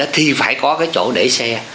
thì phải có cái chỗ để xe